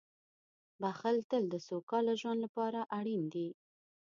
• بښل تل د سوکاله ژوند لپاره اړین دي.